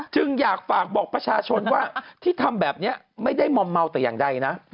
จึงอยากฝากบอกประชาชนว่าที่ทำแบบนี้ไม่ได้มอมเมาแต่อย่างใดนะ